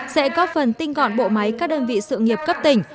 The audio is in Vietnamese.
sẽ góp phần tinh gọn bộ máy các đơn vị sự nghiệp cấp tỉnh